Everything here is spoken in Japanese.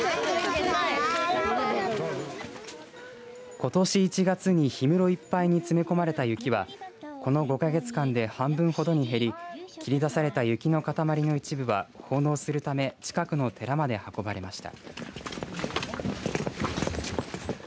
ことし１月に氷室いっぱいに詰め込まれた雪はこの５か月間で半分ほどに減り切り出された雪の塊の一部は奉納するため近くの寺まで運ばれました。